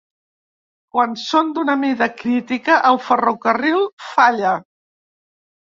Quan són d'una mida crítica, el ferrocarril falla.